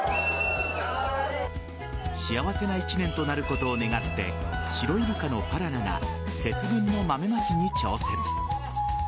幸せな１年となることを願ってシロイルカのパララが節分の豆まきに挑戦。